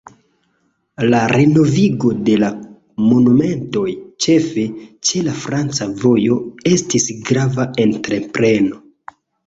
La renovigo de la monumentoj, ĉefe ĉe la franca vojo, estis grava entrepreno.